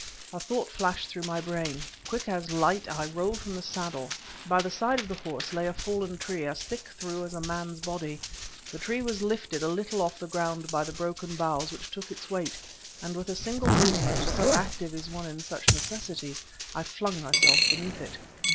A thought flashed through my brain. Quick as light I rolled from the saddle. By the side of the horse lay a fallen tree, as thick through as a man's body. The tree was lifted a little off the ground by the broken boughs which took its weight, and with a single movement, so active is one in such necessities, I flung myself beneath it.